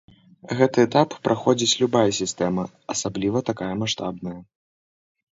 Гэты этап праходзіць любая сістэма, асабліва такая маштабная.